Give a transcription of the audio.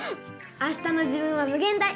あしたの自分は無限大。